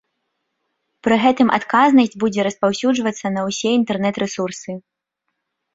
Пры гэтым адказнасць будзе распаўсюджвацца на ўсе інтэрнэт-рэсурсы.